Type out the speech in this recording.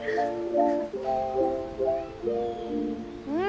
うん！